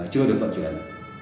chưa được tập truyền